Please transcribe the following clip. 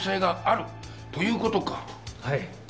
はい。